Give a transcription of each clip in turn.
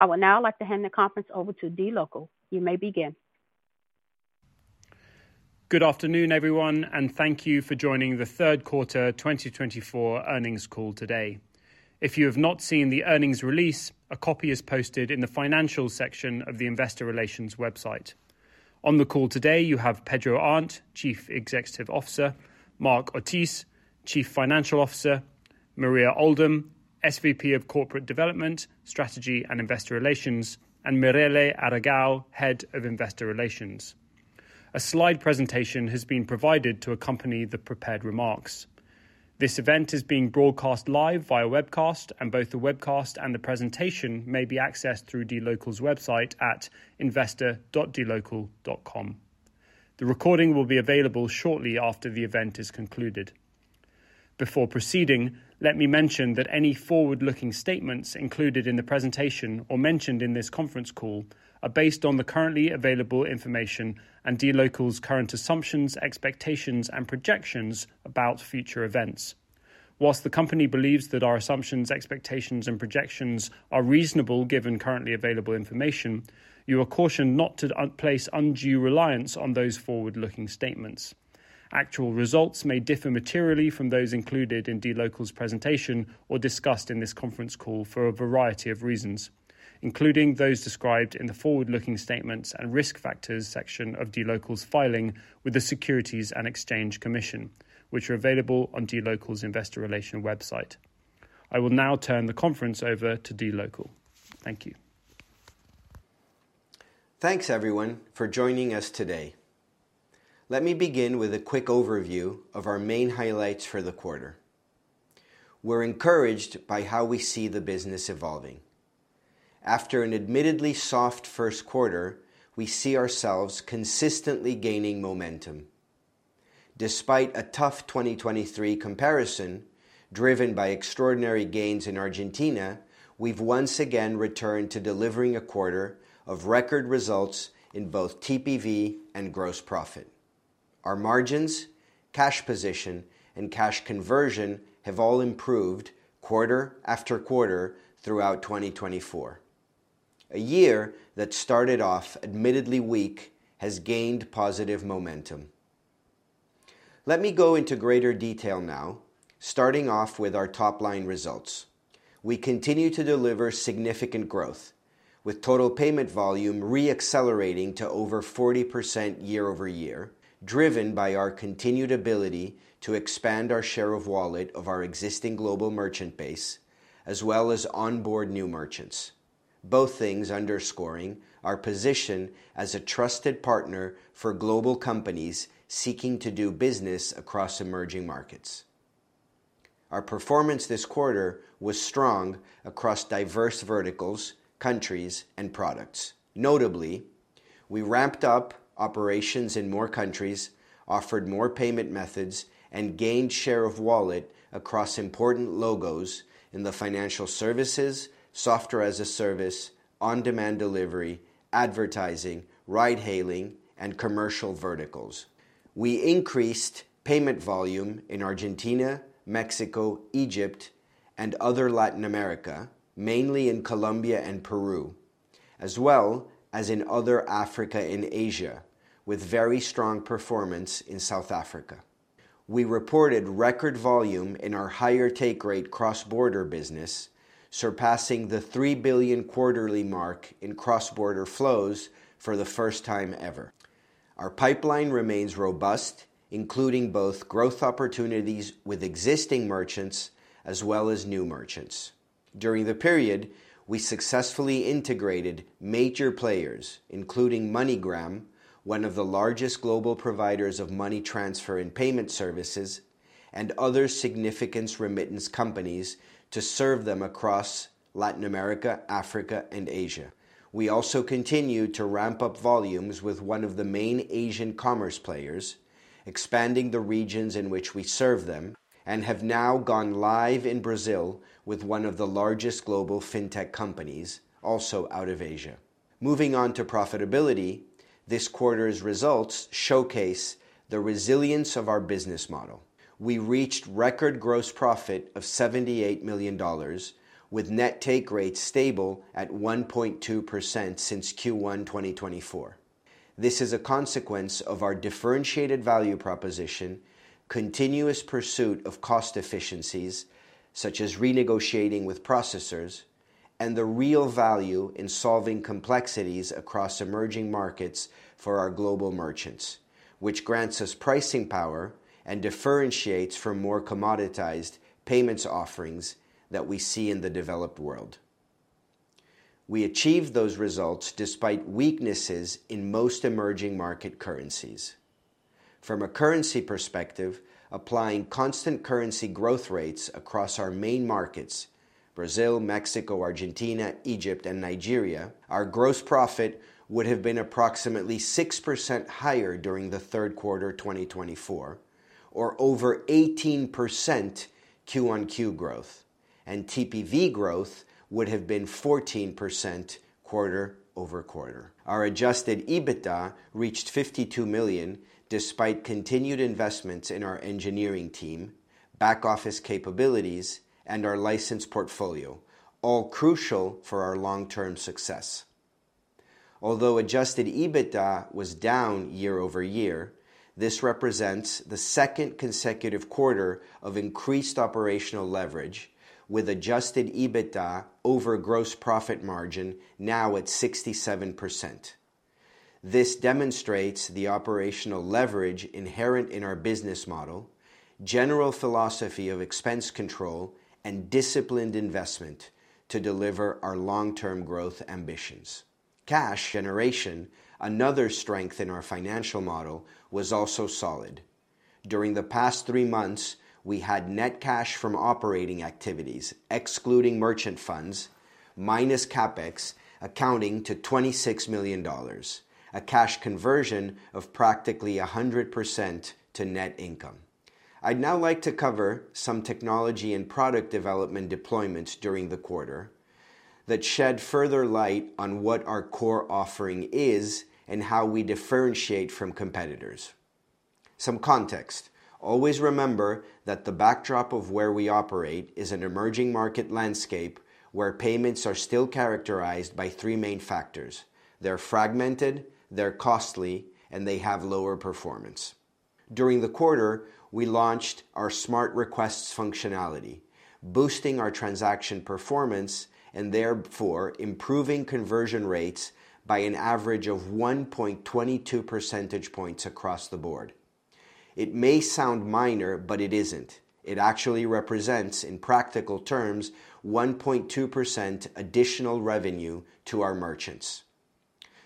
I would now like to hand the conference over to dLocal. You may begin. Good afternoon, everyone, and thank you for joining the third quarter 2024 earnings call today. If you have not seen the earnings release, a copy is posted in the financials section of the Investor Relations website. On the call today, you have Pedro Arnt, Chief Executive Officer, Mark Ortiz, Chief Financial Officer, Soledad Noceto, SVP of Corporate Development, Strategy and Investor Relations, and Mirele Aragao, Head of Investor Relations. A slide presentation has been provided to accompany the prepared remarks. This event is being broadcast live via webcast, and both the webcast and the presentation may be accessed through dLocal's website at investor.dlocal.com. The recording will be available shortly after the event is concluded. Before proceeding, let me mention that any forward-looking statements included in the presentation or mentioned in this conference call are based on the currently available information and dLocal's current assumptions, expectations, and projections about future events. While the company believes that our assumptions, expectations, and projections are reasonable given currently available information, you are cautioned not to place undue reliance on those forward-looking statements. Actual results may differ materially from those included in dLocal's presentation or discussed in this conference call for a variety of reasons, including those described in the forward-looking statements and risk factors section of dLocal's filing with the Securities and Exchange Commission, which are available on dLocal's Investor Relations website. I will now turn the conference over to dLocal. Thank you. Thanks, everyone, for joining us today. Let me begin with a quick overview of our main highlights for the quarter. We're encouraged by how we see the business evolving. After an admittedly soft first quarter, we see ourselves consistently gaining momentum. Despite a tough 2023 comparison driven by extraordinary gains in Argentina, we've once again returned to delivering a quarter of record results in both TPV and gross profit. Our margins, cash position, and cash conversion have all improved quarter after quarter throughout 2024. A year that started off admittedly weak has gained positive momentum. Let me go into greater detail now, starting off with our top-line results. We continue to deliver significant growth, with total payment volume re-accelerating to over 40% year-over-year, driven by our continued ability to expand our share of wallet of our existing global merchant base, as well as onboard new merchants, both things underscoring our position as a trusted partner for global companies seeking to do business across emerging markets. Our performance this quarter was strong across diverse verticals, countries, and products. Notably, we ramped up operations in more countries, offered more payment methods, and gained share of wallet across important logos in the financial services, software as a service, on-demand delivery, advertising, ride-hailing, and commercial verticals. We increased payment volume in Argentina, Mexico, Egypt, and Other Latin America, mainly in Colombia and Peru, as well as in Other Africa and Asia, with very strong performance in South Africa. We reported record volume in our higher take rate cross-border business, surpassing the $3 billion quarterly mark in cross-border flows for the first time ever. Our pipeline remains robust, including both growth opportunities with existing merchants as well as new merchants. During the period, we successfully integrated major players, including MoneyGram, one of the largest global providers of money transfer and payment services, and other significant remittance companies, to serve them across Latin America, Africa, and Asia. We also continued to ramp up volumes with one of the main Asian commerce players, expanding the regions in which we serve them, and have now gone live in Brazil with one of the largest global fintech companies, also out of Asia. Moving on to profitability, this quarter's results showcase the resilience of our business model. We reached record gross profit of $78 million, with net take rates stable at 1.2% since Q1 2024. This is a consequence of our differentiated value proposition, continuous pursuit of cost efficiencies, such as renegotiating with processors, and the real value in solving complexities across emerging markets for our global merchants, which grants us pricing power and differentiates from more commoditized payments offerings that we see in the developed world. We achieved those results despite weaknesses in most emerging market currencies. From a currency perspective, applying constant currency growth rates across our main markets, Brazil, Mexico, Argentina, Egypt, and Nigeria, our gross profit would have been approximately 6% higher during the third quarter 2024, or over 18% Q on Q growth, and TPV growth would have been 14% quarter-over-quarter. Our adjusted EBITDA reached $52 million, despite continued investments in our engineering team, back office capabilities, and our licensed portfolio, all crucial for our long-term success. Although adjusted EBITDA was down year-over-year, this represents the second consecutive quarter of increased operational leverage, with adjusted EBITDA over gross profit margin now at 67%. This demonstrates the operational leverage inherent in our business model, general philosophy of expense control, and disciplined investment to deliver our long-term growth ambitions. Cash generation, another strength in our financial model, was also solid. During the past three months, we had net cash from operating activities, excluding merchant funds, minus CapEx, accounting to $26 million, a cash conversion of practically 100% to net income. I'd now like to cover some technology and product development deployments during the quarter that shed further light on what our core offering is and how we differentiate from competitors. Some context: always remember that the backdrop of where we operate is an emerging market landscape where payments are still characterized by three main factors: they're fragmented, they're costly, and they have lower performance. During the quarter, we launched our Smart Requests functionality, boosting our transaction performance and therefore improving conversion rates by an average of 1.22 percentage points across the board. It may sound minor, but it isn't. It actually represents, in practical terms, 1.2% additional revenue to our merchants.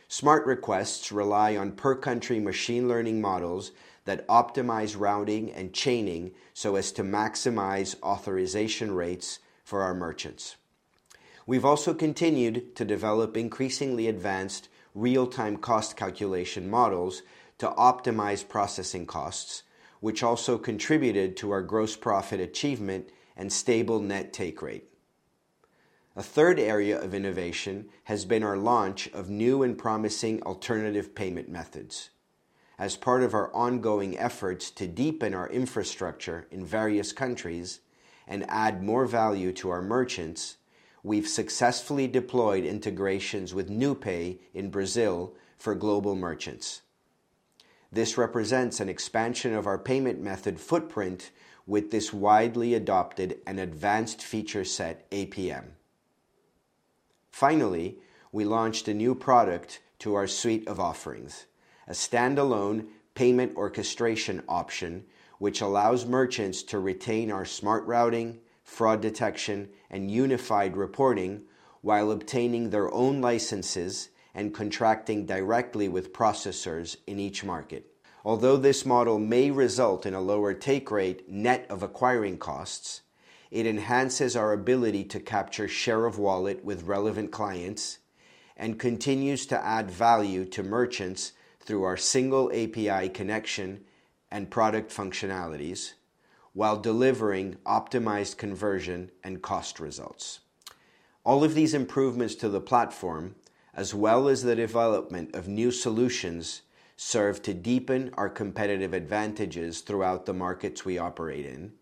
Smart Requests rely on per-country machine learning models that optimize routing and chaining so as to maximize authorization rates for our merchants. We've also continued to develop increasingly advanced real-time cost calculation models to optimize processing costs, which also contributed to our gross profit achievement and stable net take rate. A third area of innovation has been our launch of new and promising alternative payment methods. As part of our ongoing efforts to deepen our infrastructure in various countries and add more value to our merchants, we've successfully deployed integrations with NuPay in Brazil for global merchants. This represents an expansion of our payment method footprint with this widely adopted and advanced feature set APM. Finally, we launched a new product to our suite of offerings: a standalone payment orchestration option, which allows merchants to retain our smart routing, fraud detection, and unified reporting while obtaining their own licenses and contracting directly with processors in each market. Although this model may result in a lower take rate net of acquiring costs, it enhances our ability to capture share of wallet with relevant clients and continues to add value to merchants through our single API connection and product functionalities while delivering optimized conversion and cost results. All of these improvements to the platform, as well as the development of new solutions, serve to deepen our competitive advantages throughout the markets we operate in,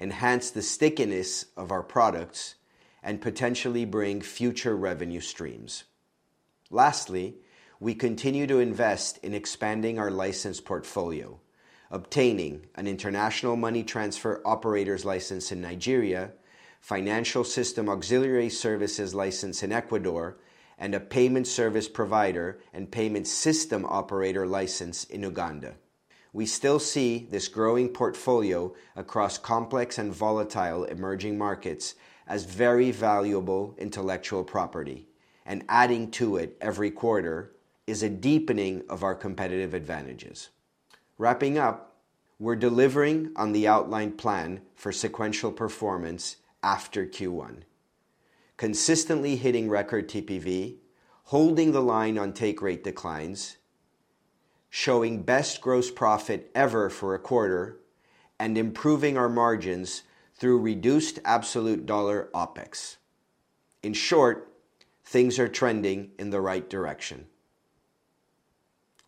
enhance the stickiness of our products, and potentially bring future revenue streams. Lastly, we continue to invest in expanding our license portfolio, obtaining an international money transfer operator's license in Nigeria, financial system auxiliary services license in Ecuador, and a payment service provider and payment system operator license in Uganda. We still see this growing portfolio across complex and volatile emerging markets as very valuable intellectual property, and adding to it every quarter is a deepening of our competitive advantages. Wrapping up, we're delivering on the outlined plan for sequential performance after Q1, consistently hitting record TPV, holding the line on take rate declines, showing best gross profit ever for a quarter, and improving our margins through reduced absolute dollar OpEx. In short, things are trending in the right direction.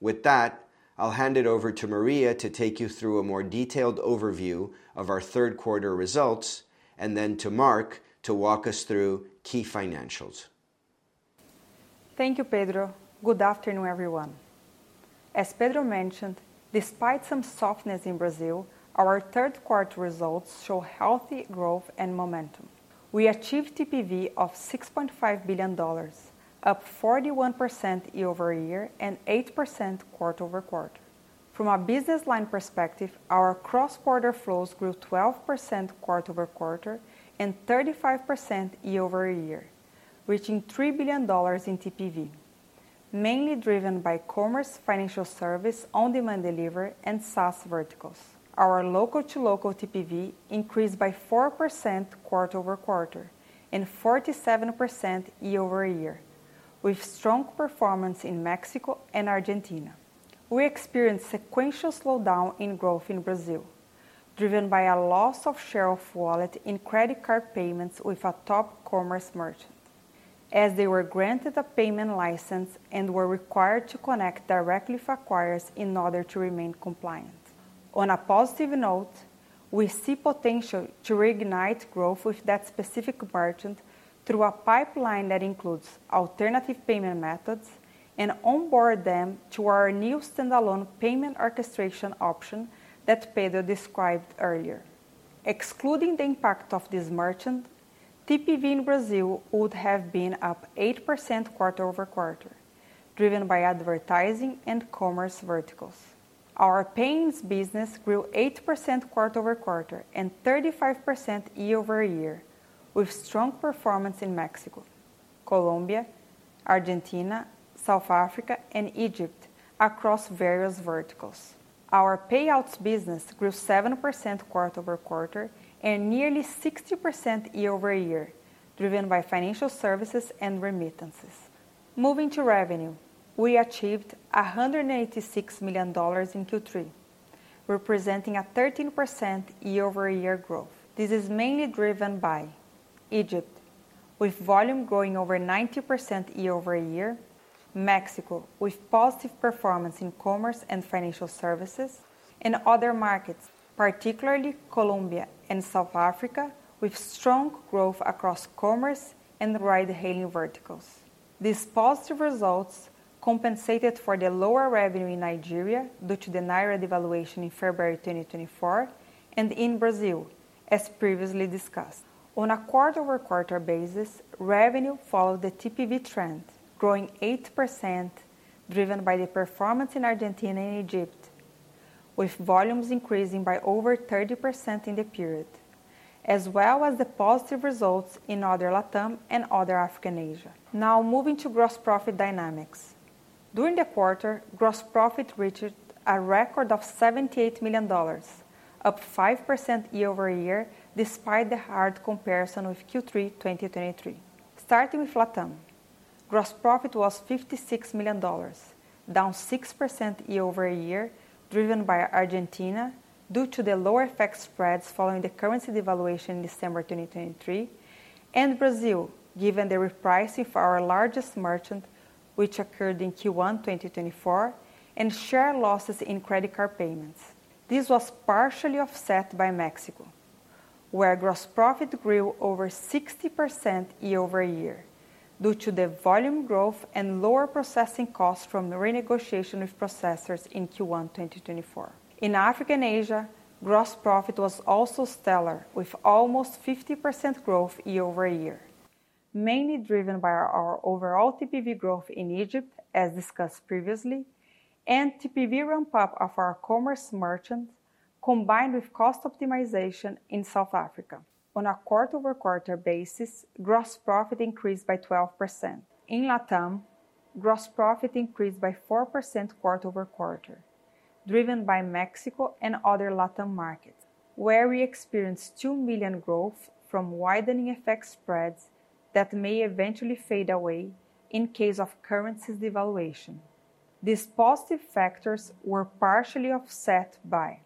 With that, I'll hand it over to Soledad to take you through a more detailed overview of our third quarter results and then to Mark to walk us through key financials. Thank you, Pedro. Good afternoon, everyone. As Pedro mentioned, despite some softness in Brazil, our third quarter results show healthy growth and momentum. We achieved TPV of $6.5 billion, up 41% year-over-year and 8% quarter-over-quarter. From a business line perspective, our cross-border flows grew 12% quarter-over-quarter and 35% year-over-year, reaching $3 billion in TPV, mainly driven by commerce, financial service, on-demand delivery, and SaaS verticals. Our local-to-local TPV increased by 4% quarter-over-quarter and 47% year-over-year, with strong performance in Mexico and Argentina. We experienced a sequential slowdown in growth in Brazil, driven by a loss of share of wallet in credit card payments with a top commerce merchant, as they were granted a payment license and were required to connect directly with acquirers in order to remain compliant. On a positive note, we see potential to reignite growth with that specific merchant through a pipeline that includes alternative payment methods and onboard them to our new standalone payment orchestration option that Pedro described earlier. Excluding the impact of this merchant, TPV in Brazil would have been up 8% quarter-over-quarter, driven by advertising and commerce verticals. Our payments business grew 8% quarter-over-quarter and 35% year-over-year, with strong performance in Mexico, Colombia, Argentina, South Africa, and Egypt across various verticals. Our payouts business grew 7% quarter-over-quarter and nearly 60% year-over-year, driven by financial services and remittances. Moving to revenue, we achieved $186 million in Q3, representing a 13% year-over-year growth. This is mainly driven by Egypt, with volume growing over 90% year-over-year, Mexico, with positive performance in commerce and financial services, and other markets, particularly Colombia and South Africa, with strong growth across commerce and ride-hailing verticals. These positive results compensated for the lower revenue in Nigeria due to the naira devaluation in February 2024 and in Brazil, as previously discussed. On a quarter-over-quarter basis, revenue followed the TPV trend, growing 8%, driven by the performance in Argentina and Egypt, with volumes increasing by over 30% in the period, as well as the positive results in Other LatAm and other African and Asian. Now, moving to gross profit dynamics. During the quarter, gross profit reached a record of $78 million, up 5% year-over-year, despite the hard comparison with Q3 2023. Starting with LatAm, gross profit was $56 million, down 6% year-over-year, driven by Argentina due to the lower FX spreads following the currency devaluation in December 2023, and Brazil, given the repricing for our largest merchant, which occurred in Q1 2024, and share losses in credit card payments. This was partially offset by Mexico, where gross profit grew over 60% year-over-year due to the volume growth and lower processing costs from renegotiation with processors in Q1 2024. In Africa and Asia, gross profit was also stellar, with almost 50% growth year-over-year, mainly driven by our overall TPV growth in Egypt, as discussed previously, and TPV ramp-up of our commerce merchants, combined with cost optimization in South Africa. On a quarter-over-quarter basis, gross profit increased by 12%. In LatAm, gross profit increased by 4% quarter-over-quarter, driven by Mexico and other LatAm markets, where we experienced $2 million growth from widening FX spreads that may eventually fade away in case of currency devaluation. These positive factors were partially offset by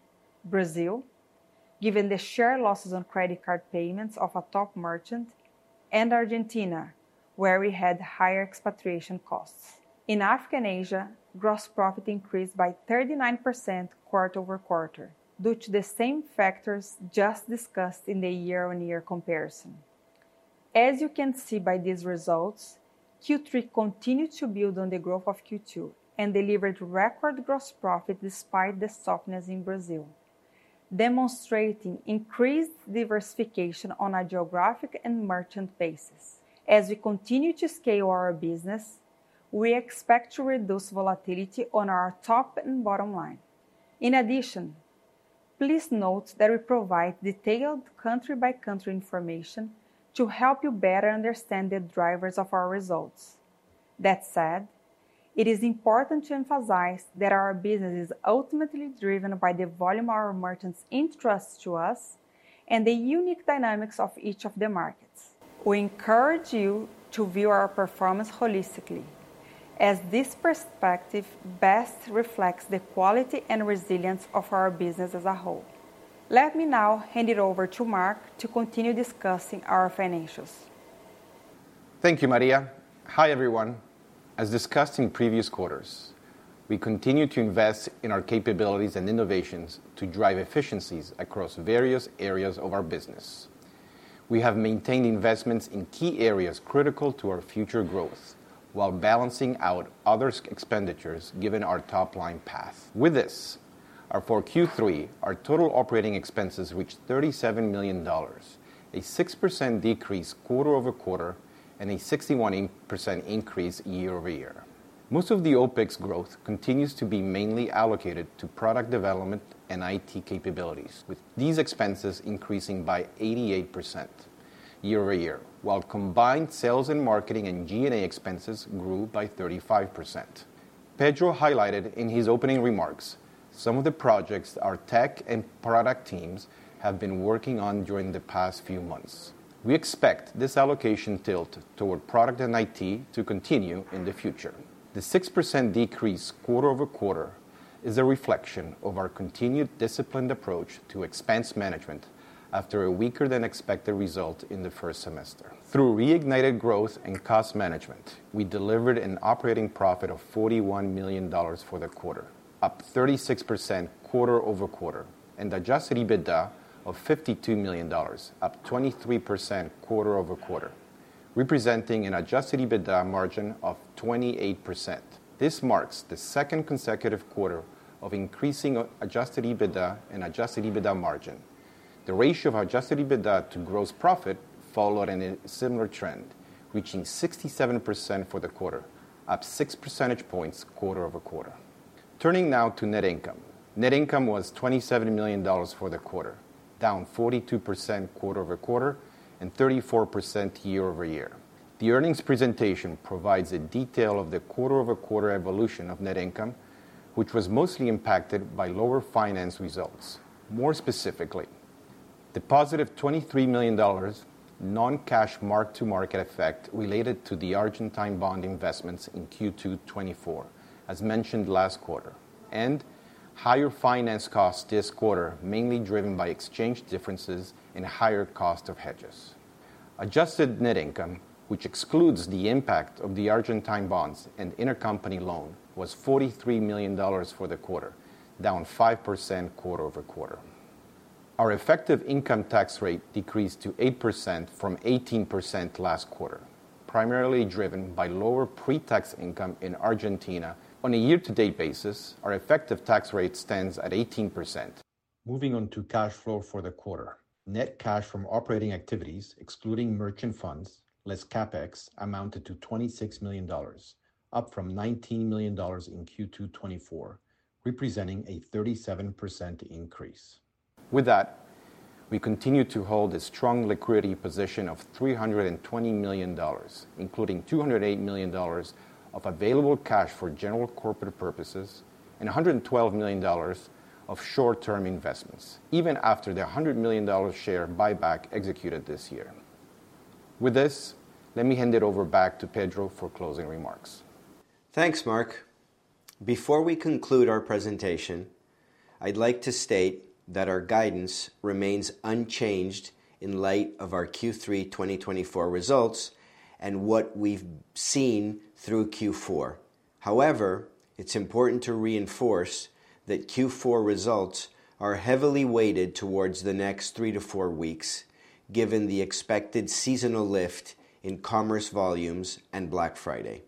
Brazil, given the share losses on credit card payments of a top merchant, and Argentina, where we had higher repatriation costs. In Africa and Asia, gross profit increased by 39% quarter-over-quarter due to the same factors just discussed in the year-on-year comparison. As you can see by these results, Q3 continued to build on the growth of Q2 and delivered record gross profit despite the softness in Brazil, demonstrating increased diversification on a geographic and merchant basis. As we continue to scale our business, we expect to reduce volatility on our top and bottom line. In addition, please note that we provide detailed country-by-country information to help you better understand the drivers of our results. That said, it is important to emphasize that our business is ultimately driven by the volume our merchants entrust to us and the unique dynamics of each of the markets. We encourage you to view our performance holistically, as this perspective best reflects the quality and resilience of our business as a whole. Let me now hand it over to Mark to continue discussing our financials. Thank you, Soledad. Hi, everyone. As discussed in previous quarters, we continue to invest in our capabilities and innovations to drive efficiencies across various areas of our business. We have maintained investments in key areas critical to our future growth while balancing out other expenditures given our top-line path. With this, for Q3, our total operating expenses reached $37 million, a 6% decrease quarter-over-quarter and a 61% increase year-over-year. Most of the OpEx growth continues to be mainly allocated to product development and IT capabilities, with these expenses increasing by 88% year-over-year, while combined sales and marketing and G&A expenses grew by 35%. Pedro highlighted in his opening remarks some of the projects our tech and product teams have been working on during the past few months. We expect this allocation tilt toward product and IT to continue in the future. The 6% decrease quarter-over-quarter is a reflection of our continued disciplined approach to expense management after a weaker-than-expected result in the first semester. Through reignited growth and cost management, we delivered an operating profit of $41 million for the quarter, up 36% quarter-over-quarter, and adjusted EBITDA of $52 million, up 23% quarter-over-quarter, representing an adjusted EBITDA margin of 28%. This marks the second consecutive quarter of increasing adjusted EBITDA and adjusted EBITDA margin. The ratio of adjusted EBITDA to gross profit followed a similar trend, reaching 67% for the quarter, up 6 percentage points quarter-over-quarter. Turning now to net income, net income was $27 million for the quarter, down 42% quarter-over-quarter and 34% year-over-year. The earnings presentation provides a detail of the quarter-over-quarter evolution of net income, which was mostly impacted by lower finance results. More specifically, the positive $23 million non-cash mark-to-market effect related to the Argentine bond investments in Q2 2024, as mentioned last quarter, and higher finance costs this quarter, mainly driven by exchange differences and higher cost of hedges. Adjusted net income, which excludes the impact of the Argentine bonds and intercompany loan, was $43 million for the quarter, down 5% quarter-over-quarter. Our effective income tax rate decreased to 8% from 18% last quarter, primarily driven by lower pre-tax income in Argentina. On a year-to-date basis, our effective tax rate stands at 18%. Moving on to cash flow for the quarter, net cash from operating activities, excluding merchant funds, less CapEx, amounted to $26 million, up from $19 million in Q2 2024, representing a 37% increase. With that, we continue to hold a strong liquidity position of $320 million, including $208 million of available cash for general corporate purposes and $112 million of short-term investments, even after the $100 million share buyback executed this year. With this, let me hand it over back to Pedro for closing remarks. Thanks, Mark. Before we conclude our presentation, I'd like to state that our guidance remains unchanged in light of our Q3 2024 results and what we've seen through Q4. However, it's important to reinforce that Q4 results are heavily weighted towards the next three to four weeks, given the expected seasonal lift in commerce volumes and Black Friday.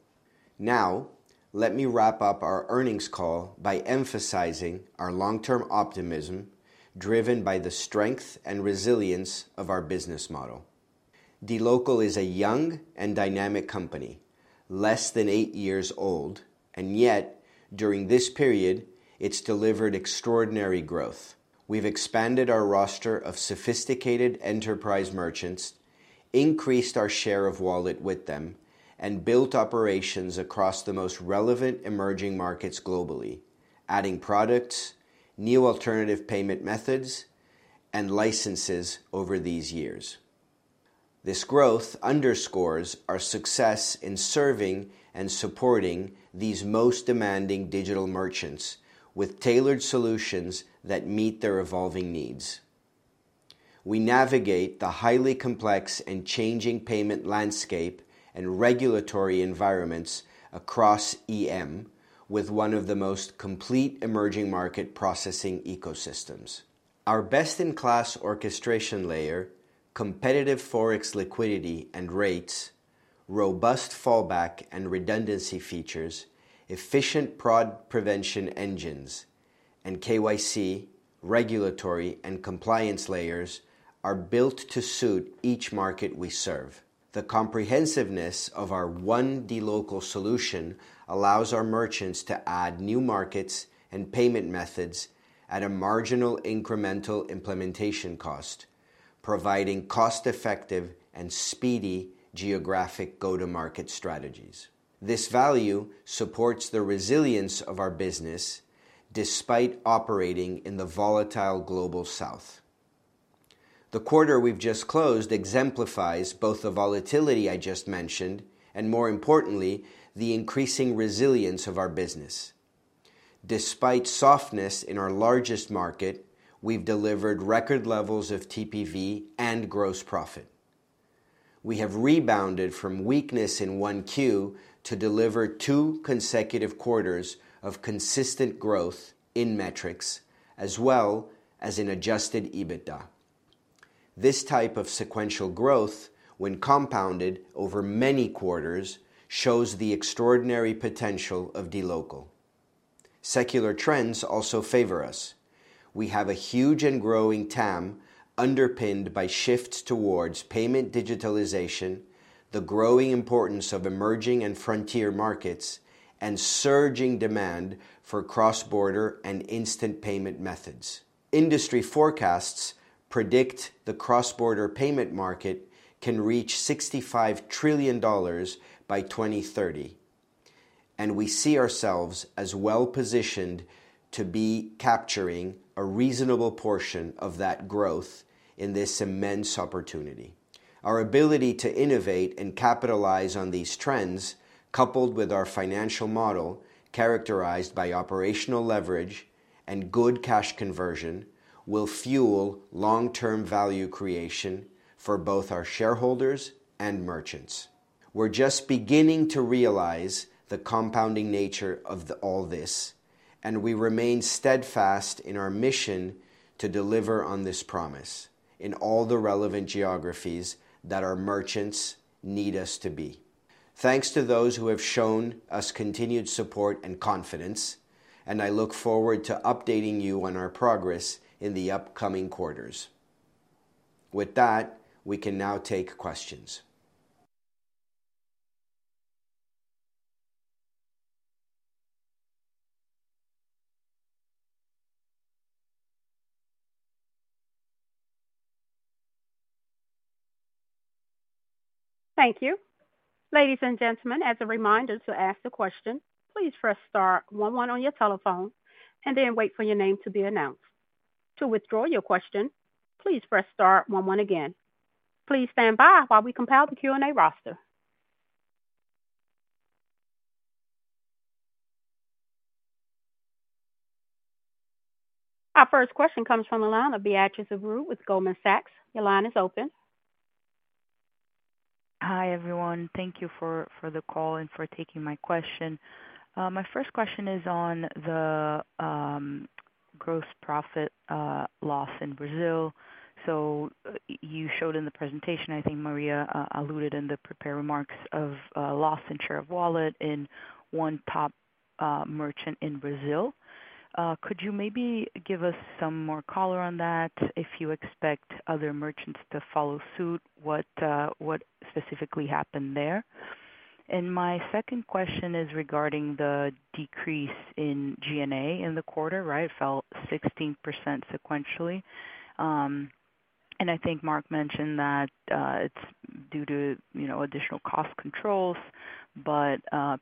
Now, let me wrap up our earnings call by emphasizing our long-term optimism driven by the strength and resilience of our business model. dLocal is a young and dynamic company, less than eight years old, and yet, during this period, it's delivered extraordinary growth. We've expanded our roster of sophisticated enterprise merchants, increased our share of wallet with them, and built operations across the most relevant emerging markets globally, adding products, new alternative payment methods, and licenses over these years. This growth underscores our success in serving and supporting these most demanding digital merchants with tailored solutions that meet their evolving needs. We navigate the highly complex and changing payment landscape and regulatory environments across EM with one of the most complete emerging market processing ecosystems. Our best-in-class orchestration layer, competitive forex liquidity and rates, robust fallback and redundancy features, efficient fraud prevention engines, and KYC regulatory and compliance layers are built to suit each market we serve. The comprehensiveness of our One dLocal solution allows our merchants to add new markets and payment methods at a marginal incremental implementation cost, providing cost-effective and speedy geographic go-to-market strategies. This value supports the resilience of our business despite operating in the volatile Global South. The quarter we've just closed exemplifies both the volatility I just mentioned and, more importantly, the increasing resilience of our business. Despite softness in our largest market, we've delivered record levels of TPV and gross profit. We have rebounded from weakness in one Q to deliver two consecutive quarters of consistent growth in metrics, as well as in adjusted EBITDA. This type of sequential growth, when compounded over many quarters, shows the extraordinary potential of dLocal. Secular trends also favor us. We have a huge and growing TAM, underpinned by shifts towards payment digitalization, the growing importance of emerging and frontier markets, and surging demand for cross-border and instant payment methods. Industry forecasts predict the cross-border payment market can reach $65 trillion by 2030, and we see ourselves as well-positioned to be capturing a reasonable portion of that growth in this immense opportunity. Our ability to innovate and capitalize on these trends, coupled with our financial model characterized by operational leverage and good cash conversion, will fuel long-term value creation for both our shareholders and merchants. We're just beginning to realize the compounding nature of all this, and we remain steadfast in our mission to deliver on this promise in all the relevant geographies that our merchants need us to be. Thanks to those who have shown us continued support and confidence, and I look forward to updating you on our progress in the upcoming quarters. With that, we can now take questions. Thank you. Ladies and gentlemen, as a reminder to ask the question, please press star 11 on your telephone and then wait for your name to be announced. To withdraw your question, please press star 11 again. Please stand by while we compile the Q&A roster. Our first question comes from Beatriz Abreu with Goldman Sachs. Beatriz, your line is open. Hi, everyone. Thank you for the call and for taking my question. My first question is on the gross profit loss in Brazil. So you showed in the presentation, I think Soledad alluded in the prepared remarks, a loss in share of wallet in one top merchant in Brazil. Could you maybe give us some more color on that? If you expect other merchants to follow suit, what specifically happened there? And my second question is regarding the decrease in G&A in the quarter, right? It fell 16% sequentially. And I think Mark mentioned that it's due to additional cost controls, but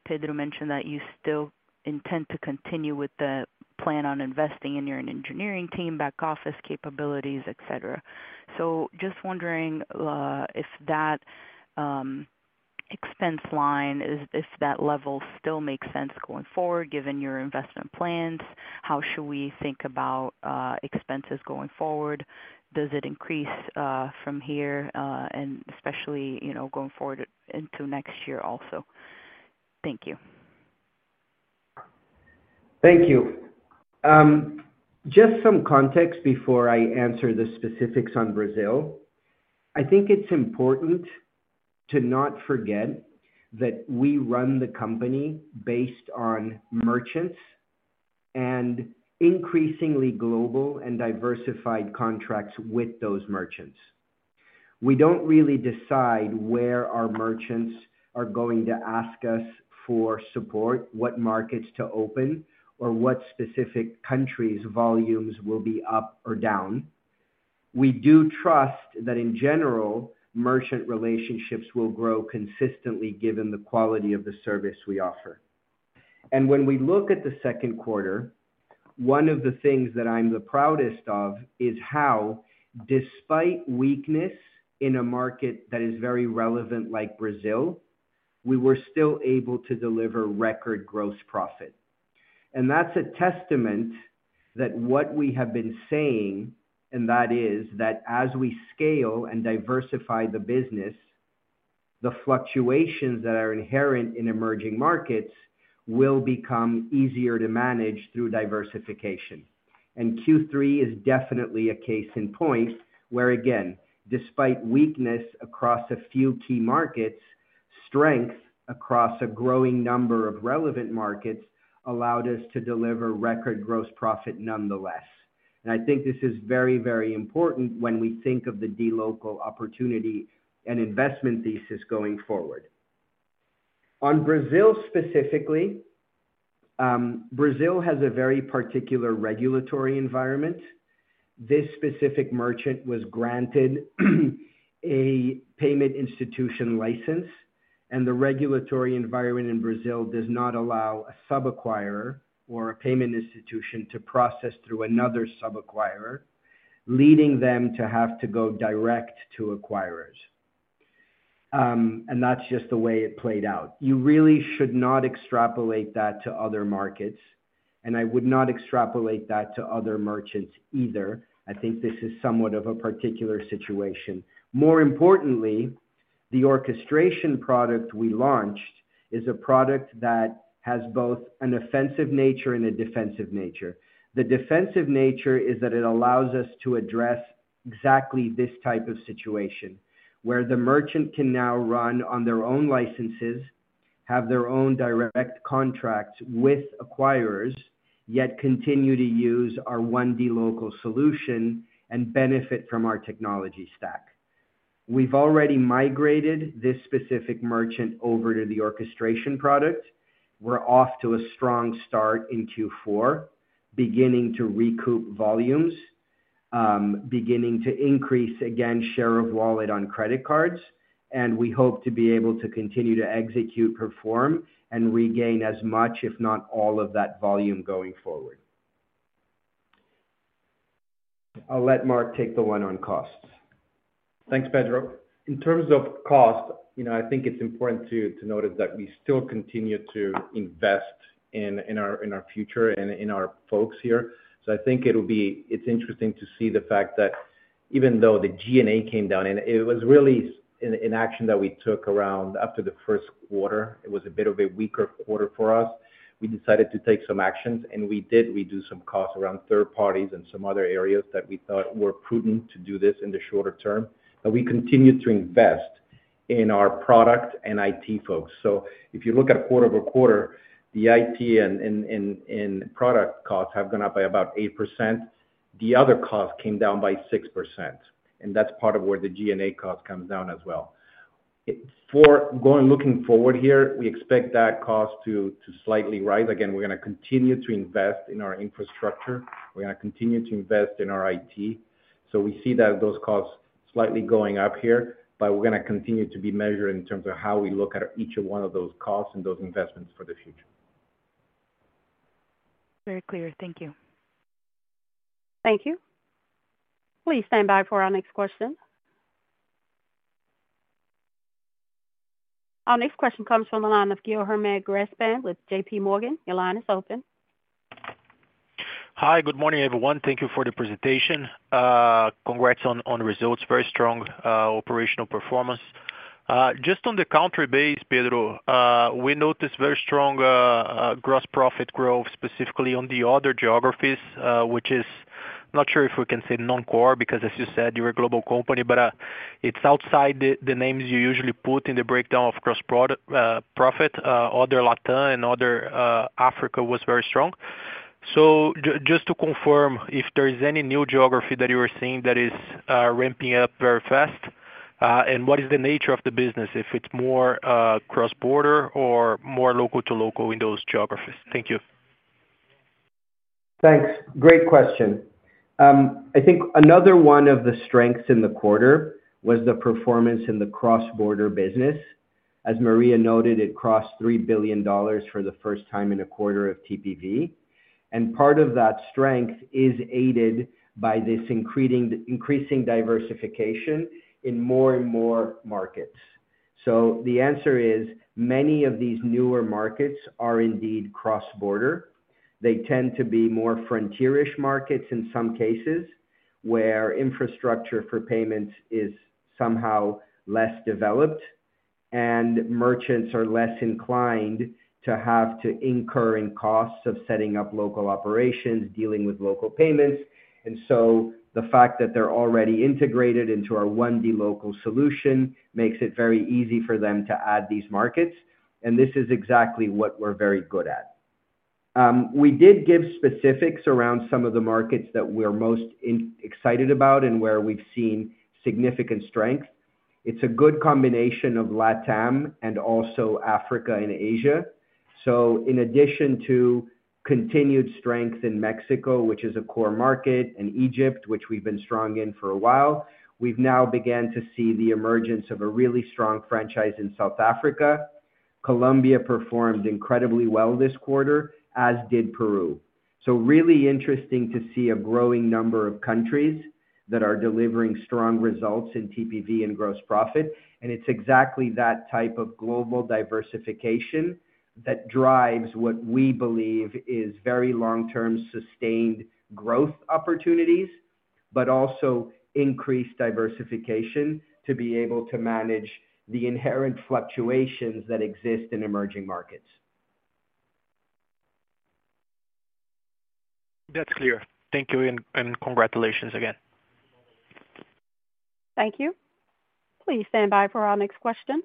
Pedro mentioned that you still intend to continue with the plan on investing in your engineering team, back office capabilities, etc. So just wondering if that expense line, if that level still makes sense going forward, given your investment plans, how should we think about expenses going forward? Does it increase from here and especially going forward into next year also? Thank you. Thank you. Just some context before I answer the specifics on Brazil. I think it's important to not forget that we run the company based on merchants and increasingly global and diversified contracts with those merchants. We don't really decide where our merchants are going to ask us for support, what markets to open, or what specific countries' volumes will be up or down. We do trust that, in general, merchant relationships will grow consistently given the quality of the service we offer. And when we look at the second quarter, one of the things that I'm the proudest of is how, despite weakness in a market that is very relevant like Brazil, we were still able to deliver record gross profit. And that's a testament that what we have been saying, and that is that as we scale and diversify the business, the fluctuations that are inherent in emerging markets will become easier to manage through diversification. And Q3 is definitely a case in point where, again, despite weakness across a few key markets, strength across a growing number of relevant markets allowed us to deliver record gross profit nonetheless. And I think this is very, very important when we think of the dLocal opportunity and investment thesis going forward. On Brazil specifically, Brazil has a very particular regulatory environment. This specific merchant was granted a payment institution license, and the regulatory environment in Brazil does not allow a subacquirer or a payment institution to process through another subacquirer, leading them to have to go direct to acquirers. And that's just the way it played out. You really should not extrapolate that to other markets, and I would not extrapolate that to other merchants either. I think this is somewhat of a particular situation. More importantly, the orchestration product we launched is a product that has both an offensive nature and a defensive nature. The defensive nature is that it allows us to address exactly this type of situation where the merchant can now run on their own licenses, have their own direct contracts with acquirers, yet continue to use our One dLocal solution and benefit from our technology stack. We've already migrated this specific merchant over to the orchestration product. We're off to a strong start in Q4, beginning to recoup volumes, beginning to increase again share of wallet on credit cards, and we hope to be able to continue to execute, perform, and regain as much, if not all, of that volume going forward. I'll let Mark take the one on costs. Thanks, Pedro. In terms of cost, I think it's important to notice that we still continue to invest in our future and in our folks here. So I think it'll be interesting to see the fact that even though the G&A came down, and it was really an action that we took around after the first quarter, it was a bit of a weaker quarter for us. We decided to take some actions, and we did reduce some costs around third parties and some other areas that we thought were prudent to do this in the shorter term. But we continued to invest in our product and IT folks. So if you look at quarter-over-quarter, the IT and product costs have gone up by about 8%. The other costs came down by 6%. And that's part of where the G&A cost comes down as well. For looking forward here, we expect that cost to slightly rise. Again, we're going to continue to invest in our infrastructure. We're going to continue to invest in our IT. So we see that those costs are slightly going up here, but we're going to continue to be measured in terms of how we look at each one of those costs and those investments for the future. Very clear. Thank you. Thank you. Please stand by for our next question. Our next question comes from Guilherme Grespan with J.P. Morgan. Guilherme is open. Hi, good morning, everyone. Thank you for the presentation. Congrats on the results. Very strong operational performance. Just on the country basis, Pedro, we noticed very strong gross profit growth, specifically on the other geographies, which I'm not sure if we can say non-core because, as you said, you're a global company, but it's outside the names you usually put in the breakdown of gross profit. Other LatAm and other Africa was very strong. So just to confirm if there is any new geography that you are seeing that is ramping up very fast, and what is the nature of the business, if it's more cross-border or more local to local in those geographies? Thank you. Thanks. Great question. I think another one of the strengths in the quarter was the performance in the cross-border business. As Soledad noted, it crossed $3 billion for the first time in a quarter of TPV, and part of that strength is aided by this increasing diversification in more and more markets, so the answer is many of these newer markets are indeed cross-border. They tend to be more frontier-ish markets in some cases where infrastructure for payments is somehow less developed, and merchants are less inclined to have to incur in costs of setting up local operations, dealing with local payments. And so the fact that they're already integrated into our One dLocal solution makes it very easy for them to add these markets, and this is exactly what we're very good at. We did give specifics around some of the markets that we're most excited about and where we've seen significant strength. It's a good combination of Latin and also Africa and Asia, so in addition to continued strength in Mexico, which is a core market, and Egypt, which we've been strong in for a while, we've now began to see the emergence of a really strong franchise in South Africa. Colombia performed incredibly well this quarter, as did Peru, so really interesting to see a growing number of countries that are delivering strong results in TPV and gross profit, and it's exactly that type of global diversification that drives what we believe is very long-term sustained growth opportunities, but also increased diversification to be able to manage the inherent fluctuations that exist in emerging markets. That's clear. Thank you and congratulations again. Thank you. Please stand by for our next question.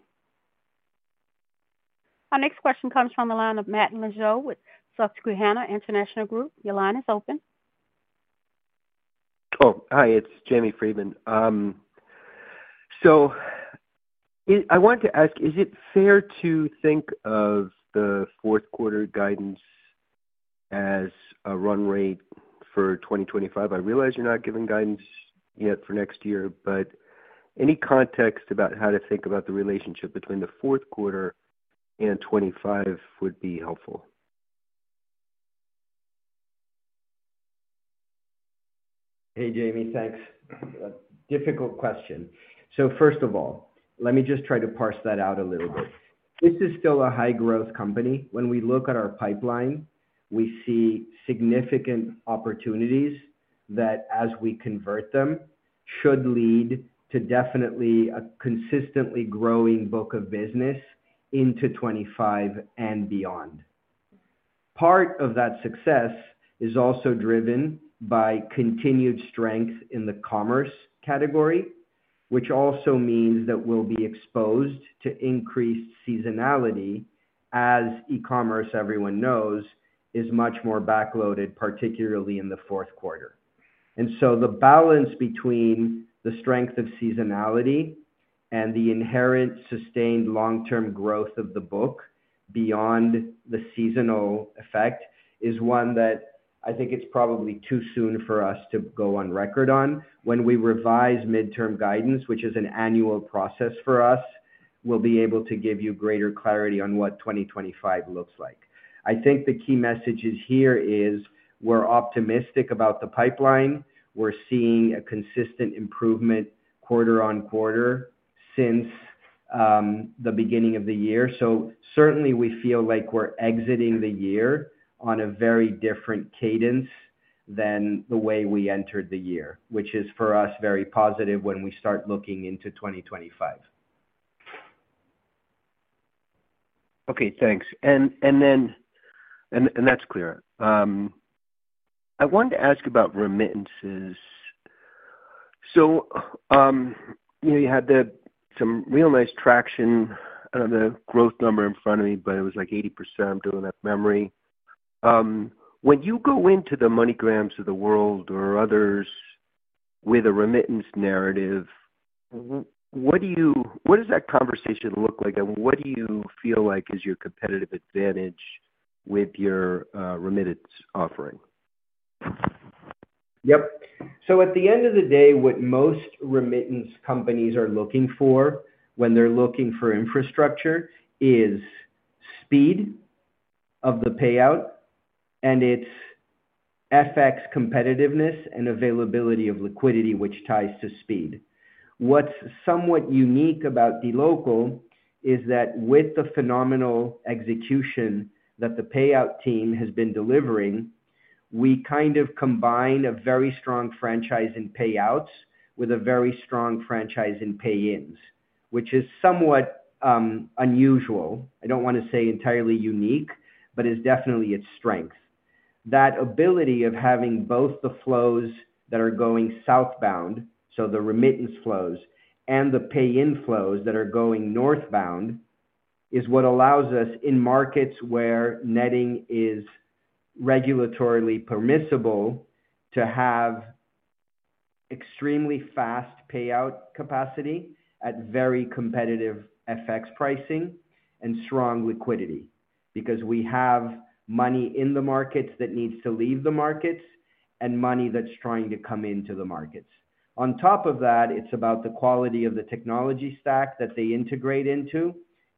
Our next question comes from James Friedman with Susquehanna International Group. Your line is open. Oh, hi. It's James Friedman. So I wanted to ask, is it fair to think of the fourth quarter guidance as a run rate for 2025? I realize you're not giving guidance yet for next year, but any context about how to think about the relationship between the fourth quarter and 2025 would be helpful. Hey, Jamie. Thanks. Difficult question. So first of all, let me just try to parse that out a little bit. This is still a high-growth company. When we look at our pipeline, we see significant opportunities that, as we convert them, should lead to definitely a consistently growing book of business into 2025 and beyond. Part of that success is also driven by continued strength in the commerce category, which also means that we'll be exposed to increased seasonality as e-commerce, everyone knows, is much more backloaded, particularly in the fourth quarter, and so the balance between the strength of seasonality and the inherent sustained long-term growth of the book beyond the seasonal effect is one that I think it's probably too soon for us to go on record on. When we revise midterm guidance, which is an annual process for us, we'll be able to give you greater clarity on what 2025 looks like. I think the key message here is we're optimistic about the pipeline. We're seeing a consistent improvement quarter on quarter since the beginning of the year. So certainly, we feel like we're exiting the year on a very different cadence than the way we entered the year, which is, for us, very positive when we start looking into 2025. Okay. Thanks. And that's clear. I wanted to ask about remittances. So you had some real nice traction on the growth number in front of me, but it was like 80%. I'm going from memory. When you go into the MoneyGrams of the world or others with a remittance narrative, what does that conversation look like, and what do you feel like is your competitive advantage with your remittance offering? Yep. So at the end of the day, what most remittance companies are looking for when they're looking for infrastructure is speed of the payout, and it's FX competitiveness and availability of liquidity, which ties to speed. What's somewhat unique about dLocal is that with the phenomenal execution that the payout team has been delivering, we kind of combine a very strong franchise in payouts with a very strong franchise in pay-ins, which is somewhat unusual. I don't want to say entirely unique, but is definitely its strength. That ability of having both the flows that are going southbound, so the remittance flows, and the pay-in flows that are going northbound is what allows us in markets where netting is regulatorily permissible to have extremely fast payout capacity at very competitive FX pricing and strong liquidity because we have money in the markets that needs to leave the markets and money that's trying to come into the markets. On top of that, it's about the quality of the technology stack that they integrate into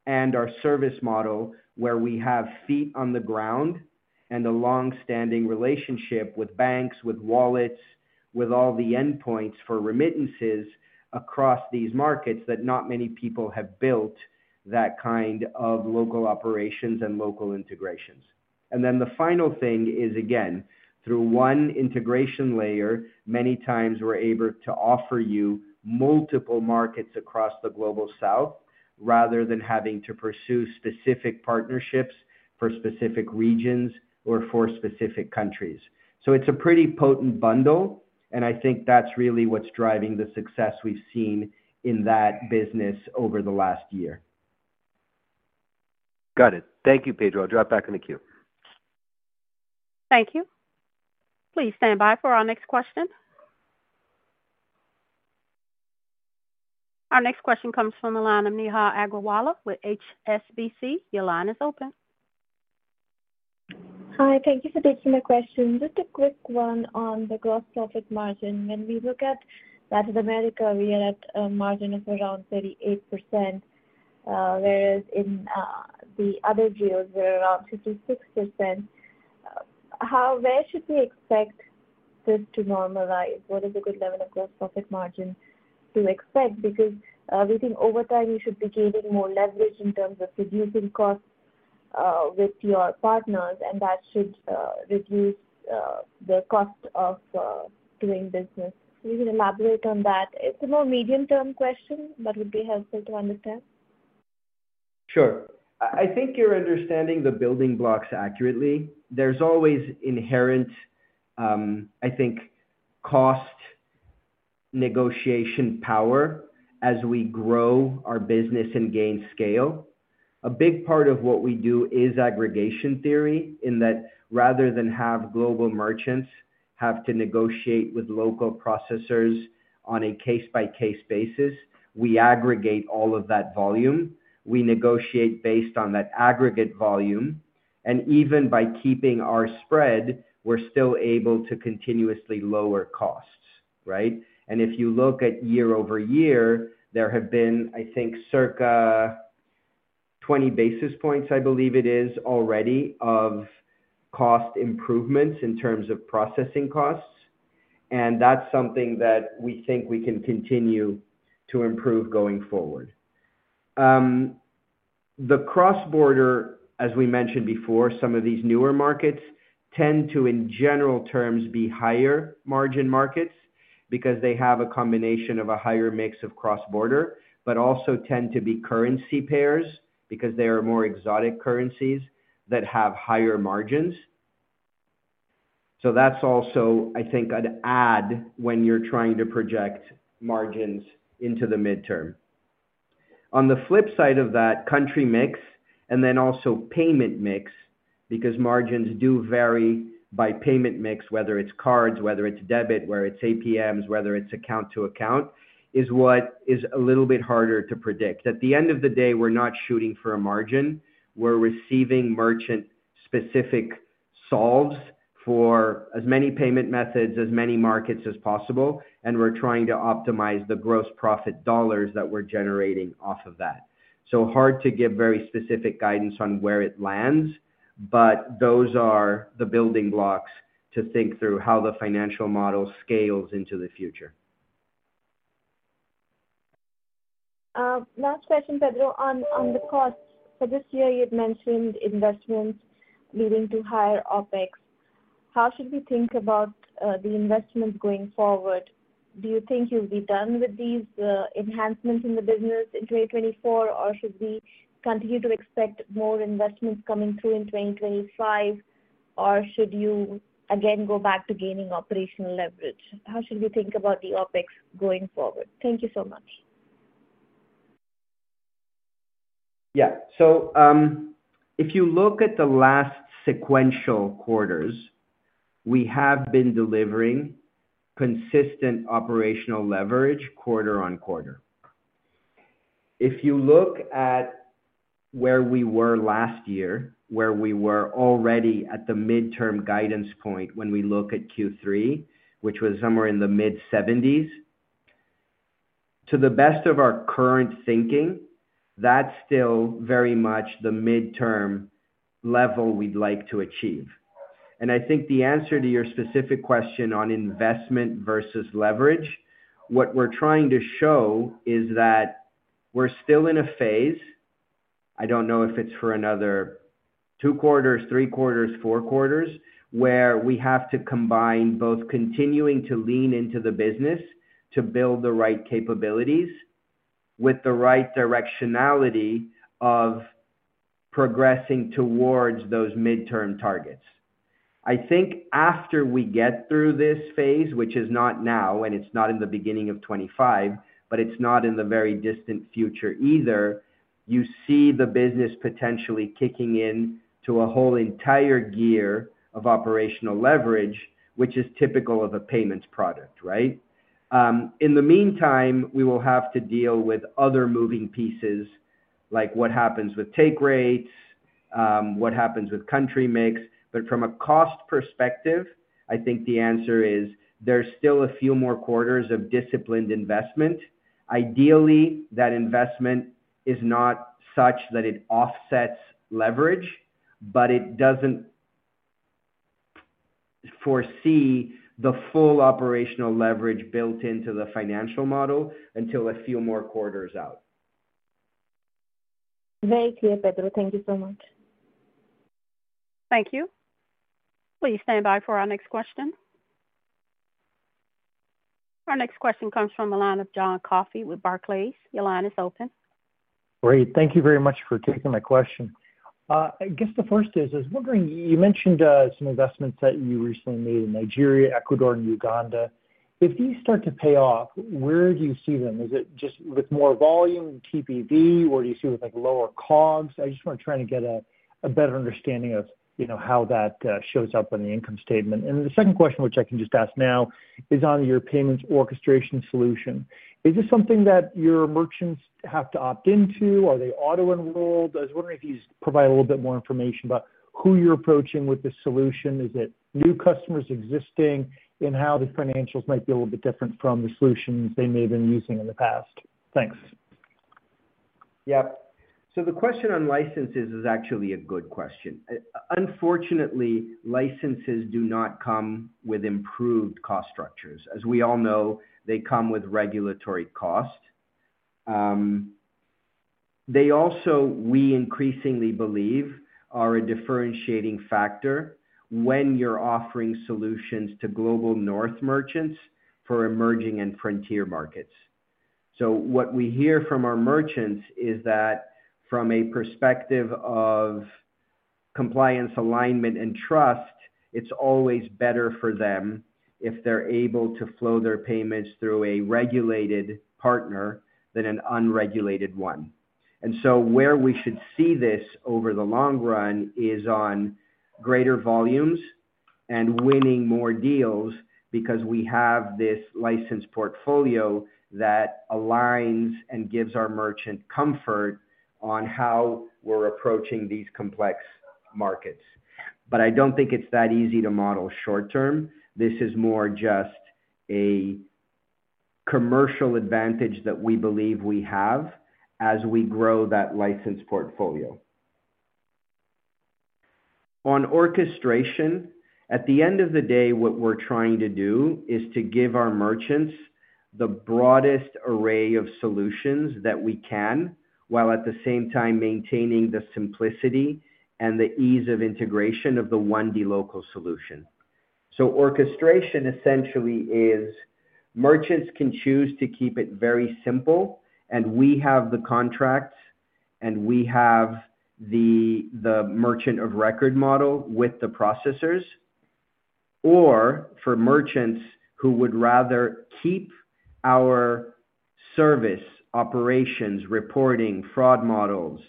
and our service model where we have feet on the ground and a long-standing relationship with banks, with wallets, with all the endpoints for remittances across these markets that not many people have built that kind of local operations and local integrations. And then the final thing is, again, through one integration layer, many times we're able to offer you multiple markets across the Global South rather than having to pursue specific partnerships for specific regions or for specific countries. So it's a pretty potent bundle, and I think that's really what's driving the success we've seen in that business over the last year. Got it. Thank you, Pedro. I'll drop back in the queue. Thank you. Please stand by for our next question. Our next question comes from Neha Agarwala with HSBC. Your line is open. Hi. Thank you for taking the question. Just a quick one on the gross profit margin. When we look at Latin America, we are at a margin of around 38%, whereas in the other deals, we're around 56%. Where should we expect this to normalize? What is a good level of gross profit margin to expect? Because we think over time, you should be gaining more leverage in terms of reducing costs with your partners, and that should reduce the cost of doing business. So you can elaborate on that. It's a more medium-term question, but it would be helpful to understand. Sure. I think you're understanding the building blocks accurately. There's always inherent, I think, cost negotiation power as we grow our business and gain scale. A big part of what we do is aggregation theory in that rather than have global merchants have to negotiate with local processors on a case-by-case basis, we aggregate all of that volume. We negotiate based on that aggregate volume. And even by keeping our spread, we're still able to continuously lower costs, right? And if you look at year-over-year, there have been, I think, circa 20 basis points, I believe it is, already of cost improvements in terms of processing costs. And that's something that we think we can continue to improve going forward. The cross-border, as we mentioned before, some of these newer markets tend to, in general terms, be higher margin markets because they have a combination of a higher mix of cross-border, but also tend to be currency pairs because they are more exotic currencies that have higher margins. So that's also, I think, an add when you're trying to project margins into the midterm. On the flip side of that, country mix and then also payment mix because margins do vary by payment mix, whether it's cards, whether it's debit, whether it's APMs, whether it's account to account, is what is a little bit harder to predict. At the end of the day, we're not shooting for a margin. We're receiving merchant-specific solves for as many payment methods, as many markets as possible, and we're trying to optimize the gross profit dollars that we're generating off of that. So hard to give very specific guidance on where it lands, but those are the building blocks to think through how the financial model scales into the future. Last question, Pedro. On the costs, so this year you've mentioned investments leading to higher OpEx. How should we think about the investments going forward? Do you think you'll be done with these enhancements in the business in 2024, or should we continue to expect more investments coming through in 2025, or should you again go back to gaining operational leverage? How should we think about the OpEx going forward? Thank you so much. Yeah. So if you look at the last sequential quarters, we have been delivering consistent operational leverage quarter on quarter. If you look at where we were last year, where we were already at the midterm guidance point when we look at Q3, which was somewhere in the mid-70s, to the best of our current thinking, that's still very much the midterm level we'd like to achieve. And I think the answer to your specific question on investment versus leverage, what we're trying to show is that we're still in a phase (I don't know if it's for another two quarters, three quarters, four quarters) where we have to combine both continuing to lean into the business to build the right capabilities with the right directionality of progressing towards those midterm targets. I think after we get through this phase, which is not now, and it's not in the beginning of 2025, but it's not in the very distant future either, you see the business potentially kicking into a whole entire gear of operational leverage, which is typical of a payments product, right? In the meantime, we will have to deal with other moving pieces like what happens with take rates, what happens with country mix. But from a cost perspective, I think the answer is there's still a few more quarters of disciplined investment. Ideally, that investment is not such that it offsets leverage, but it doesn't foresee the full operational leverage built into the financial model until a few more quarters out. Very clear, Pedro. Thank you so much. Thank you. Please stand by for our next question. Our next question comes from John Coffey with Barclays. John, your line is open. Great. Thank you very much for taking my question. I guess the first is I was wondering, you mentioned some investments that you recently made in Nigeria, Ecuador, and Uganda. If these start to pay off, where do you see them? Is it just with more volume, TPV, or do you see with lower COGS? I just want to try and get a better understanding of how that shows up on the income statement. And the second question, which I can just ask now, is on your payment orchestration solution. Is this something that your merchants have to opt into? Are they auto-enrolled? I was wondering if you could provide a little bit more information about who you're approaching with this solution. Is it new customers, existing, and how the financials might be a little bit different from the solutions they may have been using in the past? Thanks. Yep. So the question on licenses is actually a good question. Unfortunately, licenses do not come with improved cost structures. As we all know, they come with regulatory costs. They also, we increasingly believe, are a differentiating factor when you're offering solutions to Global North merchants for emerging and frontier markets. So what we hear from our merchants is that from a perspective of compliance, alignment, and trust, it's always better for them if they're able to flow their payments through a regulated partner than an unregulated one. And so where we should see this over the long run is on greater volumes and winning more deals because we have this license portfolio that aligns and gives our merchant comfort on how we're approaching these complex markets. But I don't think it's that easy to model short-term. This is more just a commercial advantage that we believe we have as we grow that license portfolio. On orchestration, at the end of the day, what we're trying to do is to give our merchants the broadest array of solutions that we can while at the same time maintaining the simplicity and the ease of integration of the One dLocal solution. So orchestration essentially is merchants can choose to keep it very simple, and we have the contracts, and we have the merchant of record model with the processors, or for merchants who would rather keep our service operations, reporting, fraud models,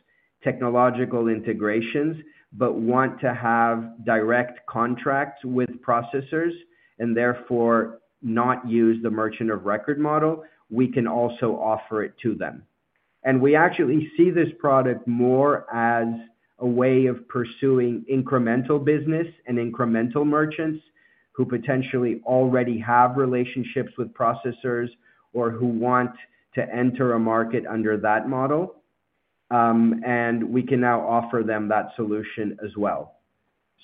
technological integrations, but want to have direct contracts with processors and therefore not use the merchant of record model, we can also offer it to them. And we actually see this product more as a way of pursuing incremental business and incremental merchants who potentially already have relationships with processors or who want to enter a market under that model. And we can now offer them that solution as well.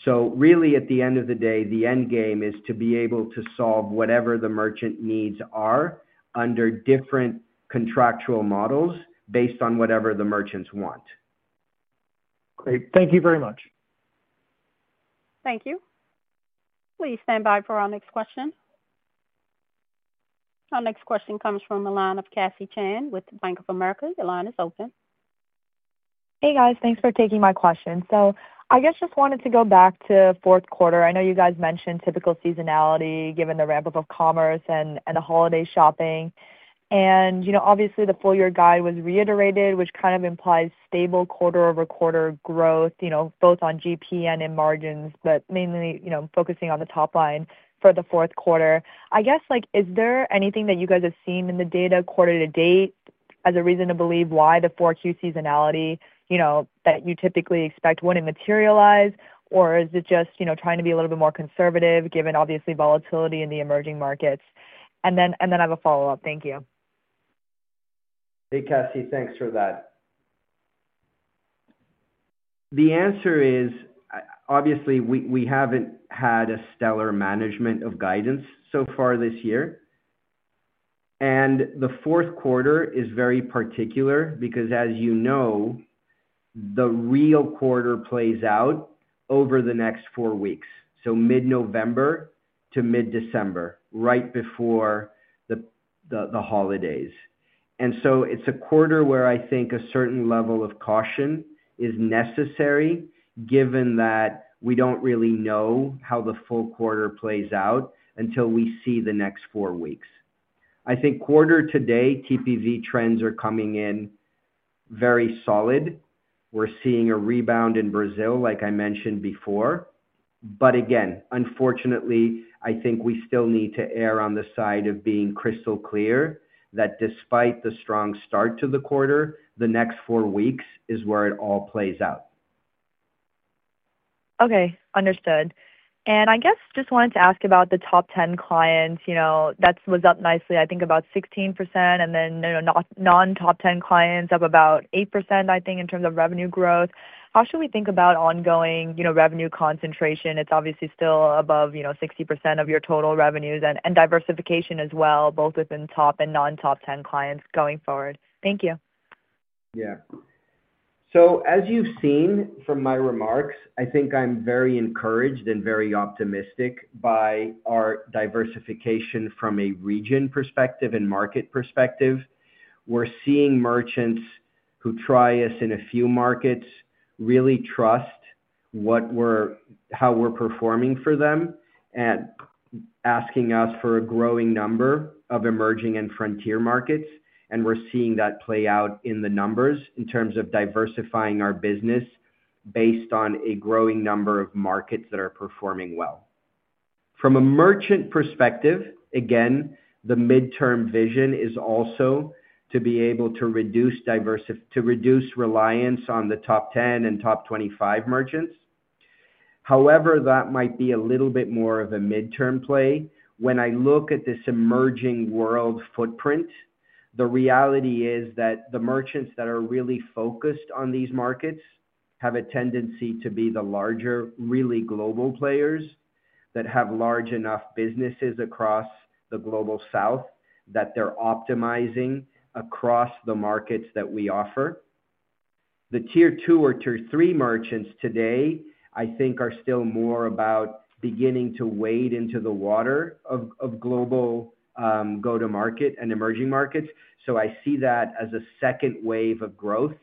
So really, at the end of the day, the end game is to be able to solve whatever the merchant needs are under different contractual models based on whatever the merchants want. Great. Thank you very much. Thank you. Please stand by for our next question. Our next question comes from Kaicy Lau with Bank of America. Your line is open. Hey, guys. Thanks for taking my question. So I guess just wanted to go back to fourth quarter. I know you guys mentioned typical seasonality given the ramp-up of commerce and the holiday shopping. And obviously, the full-year guide was reiterated, which kind of implies stable quarter-over-quarter growth both on TPV and margins, but mainly focusing on the top line for the fourth quarter. I guess, is there anything that you guys have seen in the data quarter to date as a reason to believe why the Q4 seasonality that you typically expect wouldn't materialize, or is it just trying to be a little bit more conservative given, obviously, volatility in the emerging markets? And then I have a follow-up. Thank you. Hey, Kaicy. Thanks for that. The answer is, obviously, we haven't had a stellar management of guidance so far this year, and the fourth quarter is very particular because, as you know, the real quarter plays out over the next four weeks, so mid-November to mid-December, right before the holidays, and so it's a quarter where I think a certain level of caution is necessary given that we don't really know how the full quarter plays out until we see the next four weeks. I think quarter to date, TPV trends are coming in very solid. We're seeing a rebound in Brazil, like I mentioned before, but again, unfortunately, I think we still need to err on the side of being crystal clear that despite the strong start to the quarter, the next four weeks is where it all plays out. Okay. Understood. And I guess just wanted to ask about the top 10 clients. That was up nicely, I think, about 16%, and then non-top 10 clients up about 8%, I think, in terms of revenue growth. How should we think about ongoing revenue concentration? It's obviously still above 60% of your total revenues and diversification as well, both within top and non-top 10 clients going forward. Thank you. Yeah. So as you've seen from my remarks, I think I'm very encouraged and very optimistic by our diversification from a region perspective and market perspective. We're seeing merchants who try us in a few markets really trust how we're performing for them and asking us for a growing number of emerging and frontier markets. And we're seeing that play out in the numbers in terms of diversifying our business based on a growing number of markets that are performing well. From a merchant perspective, again, the midterm vision is also to be able to reduce reliance on the top 10 and top 25 merchants. However, that might be a little bit more of a midterm play. When I look at this emerging world footprint, the reality is that the merchants that are really focused on these markets have a tendency to be the larger, really global players that have large enough businesses across the Global South that they're optimizing across the markets that we offer. The tier two or tier three merchants today, I think, are still more about beginning to wade into the water of global go-to-market and emerging markets. So I see that as a second wave of growth.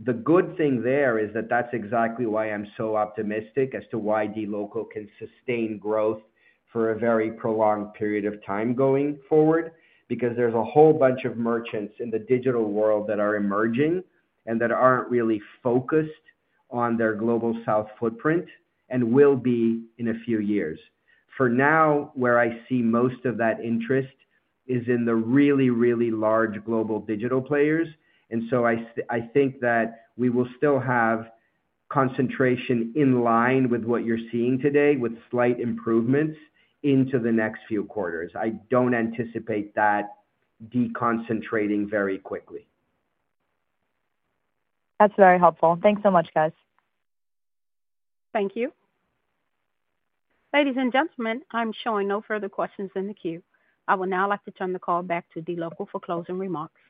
The good thing there is that that's exactly why I'm so optimistic as to why dLocal can sustain growth for a very prolonged period of time going forward because there's a whole bunch of merchants in the digital world that are emerging and that aren't really focused on their Global South footprint and will be in a few years. For now, where I see most of that interest is in the really, really large global digital players. And so I think that we will still have concentration in line with what you're seeing today with slight improvements into the next few quarters. I don't anticipate that deconcentrating very quickly. That's very helpful. Thanks so much, guys. Thank you. Ladies and gentlemen, I'm showing no further questions in the queue. I would now like to turn the call back to Diego Canay for closing remarks.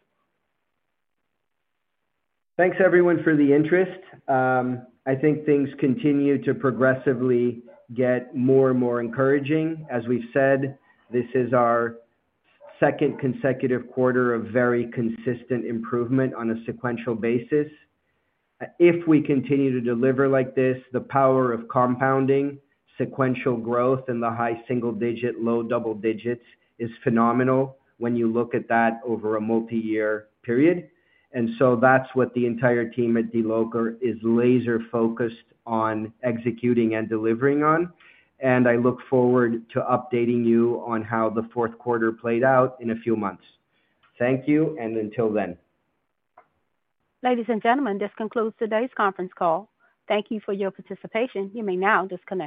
Thanks, everyone, for the interest. I think things continue to progressively get more and more encouraging. As we've said, this is our second consecutive quarter of very consistent improvement on a sequential basis. If we continue to deliver like this, the power of compounding, sequential growth, and the high single-digit, low double digits is phenomenal when you look at that over a multi-year period. And so that's what the entire team at dLocal is laser-focused on executing and delivering on. And I look forward to updating you on how the fourth quarter played out in a few months. Thank you, and until then. Ladies and gentlemen, this concludes today's conference call. Thank you for your participation. You may now disconnect.